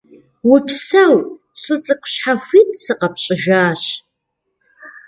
Упсэу, лӀы цӀыкӀу, щхьэхуит сыкъэпщӀыжащ.